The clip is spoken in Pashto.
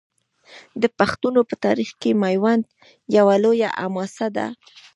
د پښتنو په تاریخ کې میوند یوه لویه حماسه ده.